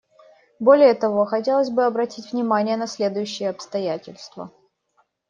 Более того, хотелось бы обратить внимание на следующие обстоятельства.